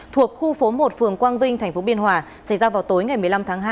thuộc khu phố một phường quang vinh tp biên hòa xảy ra vào tối ngày một mươi năm tháng hai